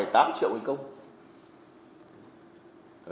hai mươi tám tám triệu hành công